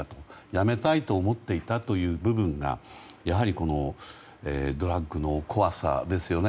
やめたいと思っていたという部分がやはりドラッグの怖さですよね。